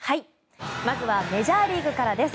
まずはメジャーリーグからです。